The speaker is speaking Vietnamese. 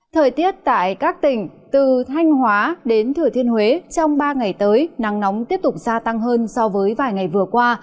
thời tiết tại các tỉnh từ thanh hóa đến thừa thiên huế trong ba ngày tới nắng nóng tiếp tục gia tăng hơn so với vài ngày vừa qua